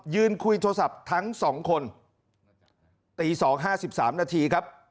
ยืนคุยโทรศัพท์ทั้งสองคนตีสองห้าสิบสามนาทีครับ